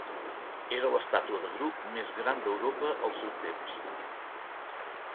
Era l'estàtua de grup més gran d'Europa al seu temps.